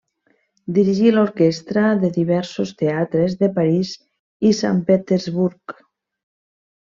Dirigí l'orquestra de diversos teatres de París i Sant Petersburg.